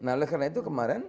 nah karena itu kemarin